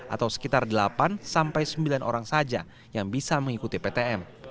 atau sekitar delapan sampai sembilan orang saja yang bisa mengikuti ptm